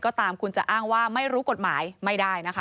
ก็ตามคุณจะอ้างว่าไม่รู้กฎหมายไม่ได้นะคะ